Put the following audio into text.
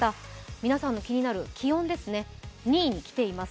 皆さんの気になる気温ですね、２位にきています。